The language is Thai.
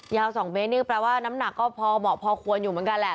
๒เมตรนี่แปลว่าน้ำหนักก็พอเหมาะพอควรอยู่เหมือนกันแหละ